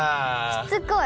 しつこい！